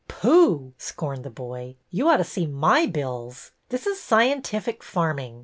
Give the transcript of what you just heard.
" Pooh !" scorned the boy. " You ought to see my bills. This is scientific farming.